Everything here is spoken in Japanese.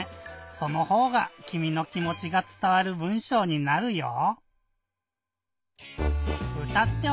そのほうがきみの気もちがつたわる文しょうになるよ！